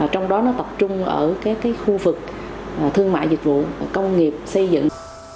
trong đó nó tập trung ở cái khu vực thương mại dịch vụ công nghiệp xây dựng